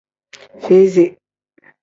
Fizi.